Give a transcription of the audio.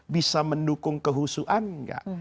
bisa mendukung kehusuhan gak